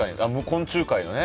昆虫界のね。